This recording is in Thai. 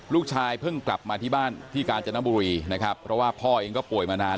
ลูกชายเพิ่งกลับมาที่บ้านที่กาญจนบุรีนะครับเพราะว่าพ่อเองก็ป่วยมานาน